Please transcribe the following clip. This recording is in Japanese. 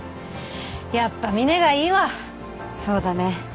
やっぱみねがいいわそうだね